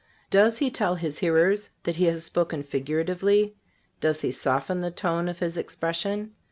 Does He tell His hearers that He has spoken figuratively? Does He soften the tone of His expression?